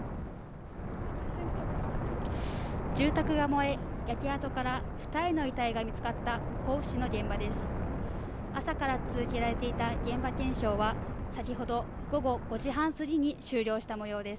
住宅が燃え、焼け跡から２人の遺体が見つかった甲府市の現場です。